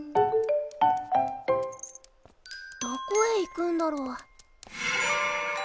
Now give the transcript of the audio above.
どこへ行くんだろう？